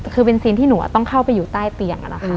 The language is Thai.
คือเป็นซีนที่หนูต้องเข้าไปอยู่ใต้เตียง